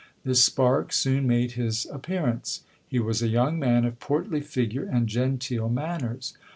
This spark soon made his appearance. He was a young man of portly figure and genteel manners.